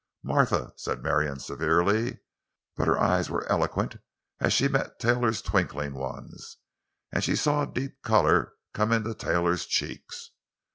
"Martha!" said Marion severely. But her eyes were eloquent as they met Taylor's twinkling ones; and she saw a deep color come into Taylor's cheeks.